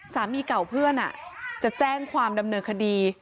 สามีเก่าเพื่อนจะแจ้งความดำเนินคดี